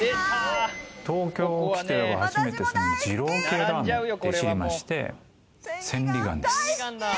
東京に来て初めて二郎系ラーメンしりまして、千里眼です。